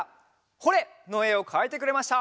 「ホ・レッ！」のえをかいてくれました。